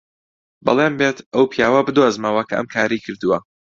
بەڵێن بێت ئەو پیاوە بدۆزمەوە کە ئەم کارەی کردووە.